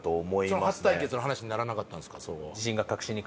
その初対決の話にならなかったんですか？